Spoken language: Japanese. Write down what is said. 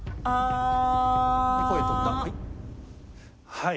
はい。